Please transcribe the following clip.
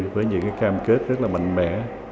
với những cam kết rất là mạnh mẽ